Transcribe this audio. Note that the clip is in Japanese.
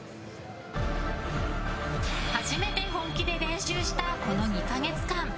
初めて本気で練習したこの２か月間。